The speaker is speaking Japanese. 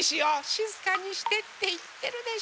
しずかにしてっていってるでしょ。